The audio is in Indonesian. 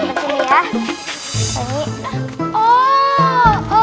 nah seperti ini ya